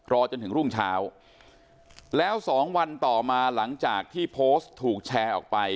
รอจนถึงรุ่งเช้าแล้วสองวันต่อมาหลังจากที่โพสต์ถูกแชร์ออกไป